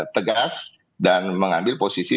tegas dan mengambil posisi